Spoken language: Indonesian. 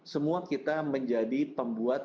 semua kita menjadi pembuat